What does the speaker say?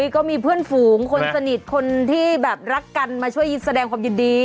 ก็มีเพื่อนฝูงคนสนิทคนที่แบบรักกันมาช่วยแสดงความยินดี